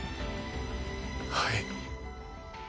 はい。